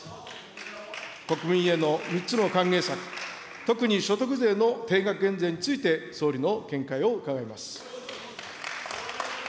国民への３つの還元策、特に所得税の定額減税について総理の見解を伺います。